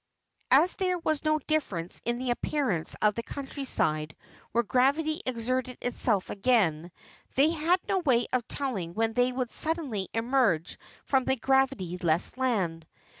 As there was no difference in the appearance of the countryside, where gravity exerted itself again, they had no way of telling when they would suddenly emerge from the gravity less land.